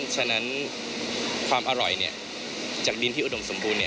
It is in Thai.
ฉะนั้นความอร่อยจากดินที่อุดมสมบูรณ